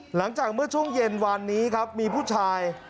หลังจากเมื่อช่วงเย็นวานนี้ครับมีผู้ชาย